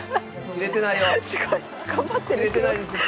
切れてないですよ。